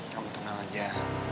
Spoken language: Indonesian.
kamu tenang aja